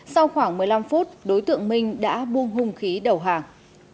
sau khoảng một mươi năm phút đối tượng mình đã buông hùng khí đầu hàng